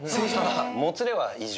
もつれは異常。